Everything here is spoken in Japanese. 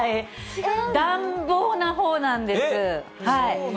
暖房のほうなんです。